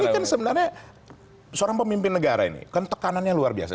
ini kan sebenarnya seorang pemimpin negara ini kan tekanannya luar biasa